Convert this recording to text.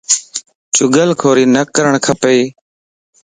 چُگل ڪوري نه ڪرڻ کپ